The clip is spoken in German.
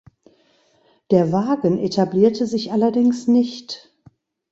Der Wagen etablierte sich allerdings nicht.